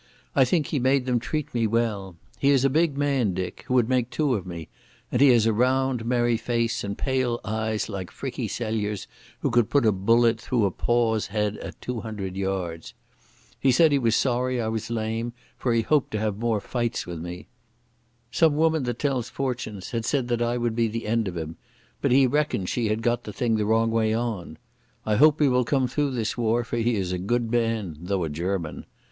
I think he made them treat me well. He is a big man, Dick, who would make two of me, and he has a round, merry face and pale eyes like Frickie Celliers who could put a bullet through a pauw's head at two hundred yards. He said he was sorry I was lame, for he hoped to have more fights with me. Some woman that tells fortunes had said that I would be the end of him, but he reckoned she had got the thing the wrong way on. I hope he will come through this war, for he is a good man, though a German....